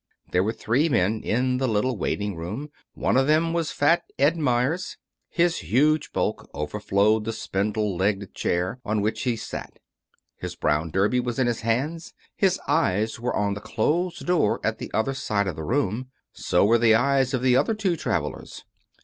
There were three men in the little waiting room. One of them was Fat Ed Meyers. His huge bulk overflowed the spindle legged chair on which he sat. His brown derby was in his hands. His eyes were on the closed door at the other side of the room. So were the eyes of the other two travelers.